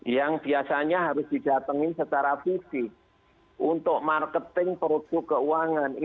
yang kedua kita harus memperluar base sumber pertumbuhan baru